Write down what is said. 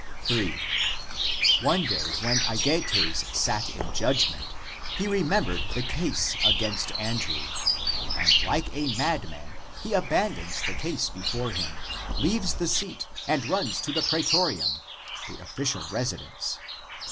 3. One day, when Aegeates sat in judgment, he remembered the case against Andrew. And like a mad man, he abandons the case before him, leaves the seat and runs to the pretorium (the official resi dence).